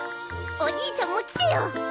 おじいちゃんも来てよ！